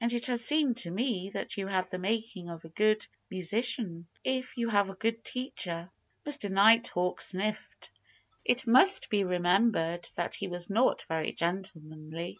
And it has seemed to me that you have the making of a good musician, if you have a good teacher." Mr. Nighthawk sniffed. It must be remembered that he was not very gentlemanly.